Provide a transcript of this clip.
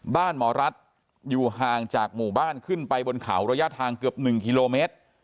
หมอรัฐอยู่ห่างจากหมู่บ้านขึ้นไปบนเขาระยะทางเกือบ๑กิโลเมตร